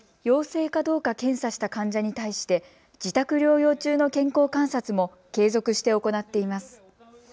陽性かどうか検査した患者に対して自宅療養中の健康観察も継続して行っています。